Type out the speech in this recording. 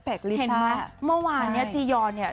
เห็นไหมเมื่อวานเนี่ยจียอนเนี่ย